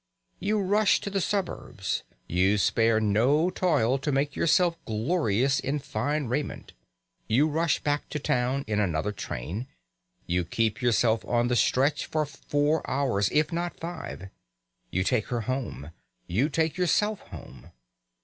You rush to the suburbs; you spare no toil to make yourself glorious in fine raiment; you rush back to town in another train; you keep yourself on the stretch for four hours, if not five; you take her home; you take yourself home.